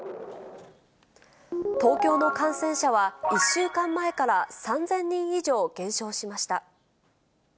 東京の感染者は、１週間前から３０００人以上減少しました。